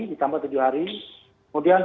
ditambah tujuh hari kemudian